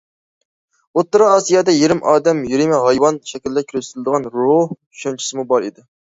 ئوتتۇرا ئاسىيادا يېرىمى ئادەم، يېرىمى ھايۋان شەكلىدە كۆرسىتىلىدىغان روھ چۈشەنچىسىمۇ بار ئىدى.